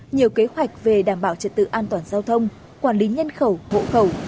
nhiều kế hoạch về đảm bảo trật tự an toàn giao thông quản lý nhân khẩu hộ khẩu